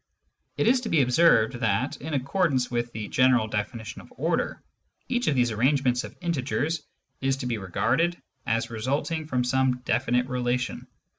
It is to be observed that, in accordance with the general definition of order, each of these arrangements of integers is to be regarded as resulting from some definite relation.